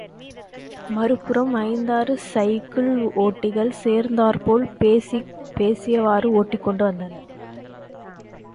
மறுபுறம் ஐந்தாறு சைக்கிள் ஒட்டிகள் சேர்ந்தாற் போல் பேசியவாறு ஒட்டிக் கொண்டு வந்தனர்.